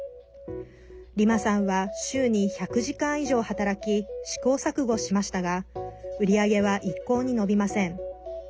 リマさんは週に１００時間以上働き試行錯誤しましたが売り上げは一向に伸びません。